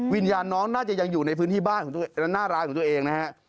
วิญญาณน้องน่าจะยังอยู่ในพื้นที่บ้านของตัวเองหน้าร้านของตัวเองนะฮะ